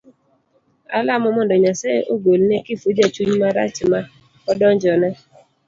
Alamo mondo Nyasaye ogol ne Kifuja chuny marach ma odonjone.